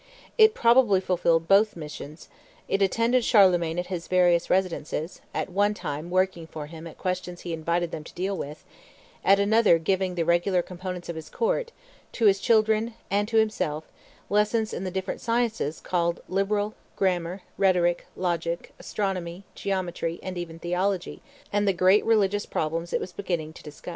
It probably fulfilled both missions; it attended Charlemagne at his various residences, at one time working for him at questions he invited them to deal with, at another giving to the regular components of his court, to his children and to himself, lessons in the different sciences called liberal, grammar, rhetoric, logic, astronomy, geometry, and even theology and the great religious problems it was beginning to discuss.